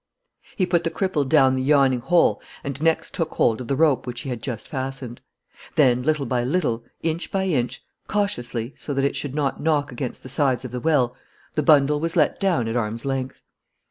He put the cripple down the yawning hole and next took hold of the rope which he had just fastened. Then, little by little, inch by inch, cautiously, so that it should not knock against the sides of the well, the bundle was let down at arm's length.